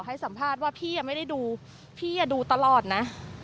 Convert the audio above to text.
ให้สัมภาษณ์ว่าพี่ไม่ได้ดูพี่ดูตลอดนะ